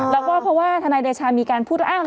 แล้วก็เพราะว่าทนายเดชามีการพูดอ้าง